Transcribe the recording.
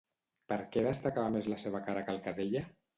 Per què destacava més la seva cara que el que deia?